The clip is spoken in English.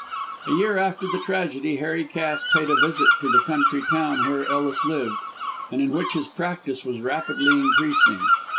A year after the tragedy Harry Cass paid a visit to the country town where Ellis lived, and in which his practice was rapidly increasing.